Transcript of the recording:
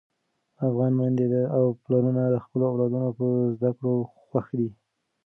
افغان میندې او پلرونه د خپلو اولادونو په زده کړو خوښ دي.